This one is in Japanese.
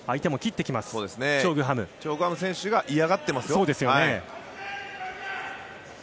チョ・グハム選手が嫌がっていますよ。